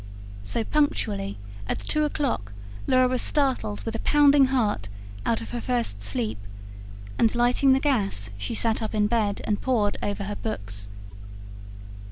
So, punctually at two o'clock Laura was startled, with a pounding heart, out of her first sleep; and lighting the gas she sat up in bed and pored over her books.